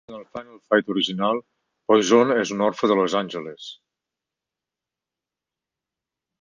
Introduït en el "Final Fight" original, Poison és un orfe de Los Angeles.